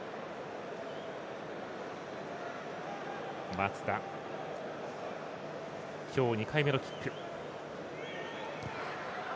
松田、今日、２回目のキック。